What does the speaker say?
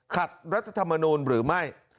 ขัดรัฐธรรมนูลหรือไม่